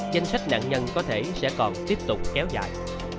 danh sách nạn nhân có thể sẽ còn tiếp tục kéo dài